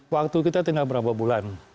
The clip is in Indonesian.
waktu kita tinggal berapa bulan